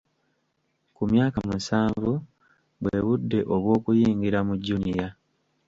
Ku myaka musanvu, bwe budde obw'okuyingira mu Junior.